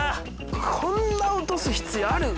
こんな落とす必要ある？